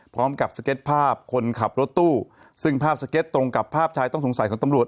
สเก็ตภาพคนขับรถตู้ซึ่งภาพสเก็ตตรงกับภาพชายต้องสงสัยของตำรวจ